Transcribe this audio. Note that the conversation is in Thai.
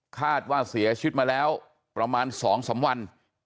คาดว่าเสียชีวิตมาแล้วประมาณ๒๓วัน